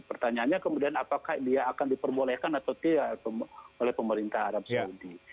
pertanyaannya kemudian apakah dia akan diperbolehkan atau tidak oleh pemerintah arab saudi